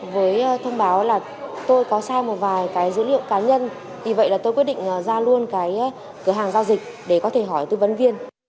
với thông báo là tôi có sai một vài cái dữ liệu cá nhân vì vậy là tôi quyết định ra luôn cái cửa hàng giao dịch để có thể hỏi tư vấn viên